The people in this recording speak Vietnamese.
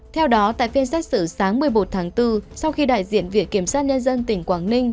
theo đó tại phiên xét xử sáng một mươi một tháng bốn sau khi đại diện viện kiểm sát nhân dân tỉnh quảng ninh